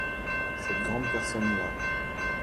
Cette grande personne-là.